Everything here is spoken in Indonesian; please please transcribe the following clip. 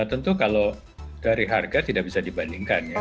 tentu kalau dari harga tidak bisa dibandingkan ya